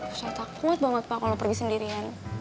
usah takut banget pak kalau pergi sendirian